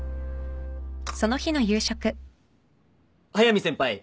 速見先輩。